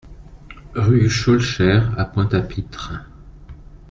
Rue Schoelcher à Pointe-à-Pitre